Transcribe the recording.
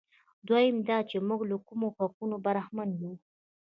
دویم دا چې موږ له کومو حقوقو برخمن یو.